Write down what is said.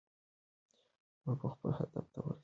موږ به خپل هدف ته رسیږو.